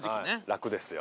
楽ですよ。